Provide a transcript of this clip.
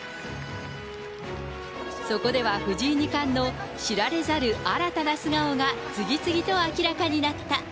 そこでは、藤井二冠の知られざる新たな素顔が次々と明らかになった。